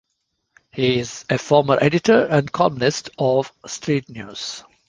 He is a former editor and columnist of "Street News".